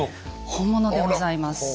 本物でございます。